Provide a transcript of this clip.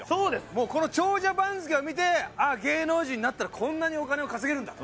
もうこの長者番付を見て芸能人になったらこんなにお金を稼げるんだと。